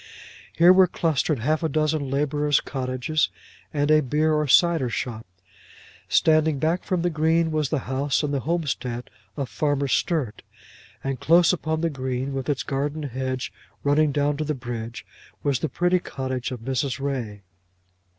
Here were clustered half a dozen labourers' cottages, and a beer or cider shop. Standing back from the green was the house and homestead of Farmer Sturt, and close upon the green, with its garden hedge running down to the bridge, was the pretty cottage of Mrs. Ray.